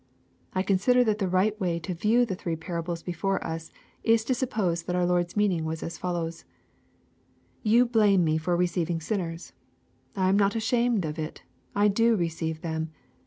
I consider that the right way to view the three parables before us is to suppose that our Lord's meaning was as follows ;—" You blame me for receiving sinners. I am not ashamed of it, I do receive them.